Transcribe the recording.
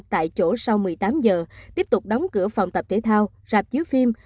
tại chỗ sau một mươi tám giờ tiếp tục đóng cửa phòng tập thể thao rạp chiếu phim